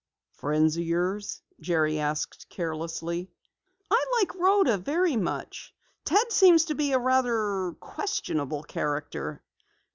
"Friends of yours?" Jerry asked carelessly. "I like Rhoda very much. Ted seems to be a rather questionable character.